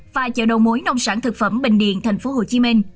và chợ đầu mối nông sản thực phẩm bình điện tp hcm